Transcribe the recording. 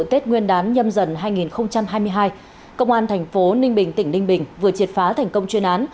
tết nguyên đán nhâm dần hai nghìn hai mươi hai công an thành phố ninh bình tỉnh ninh bình vừa triệt phá thành công chuyên án